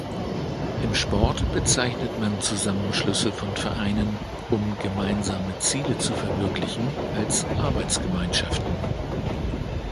Im Sport bezeichnet man Zusammenschlüsse von Vereinen, um gemeinsame Ziele zu verwirklichen, als Arbeitsgemeinschaften.